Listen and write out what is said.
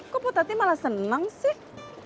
kok putati malah senang sih